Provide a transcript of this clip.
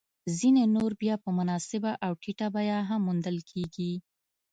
ځیني نور بیا په مناسبه او ټیټه بیه هم موندل کېږي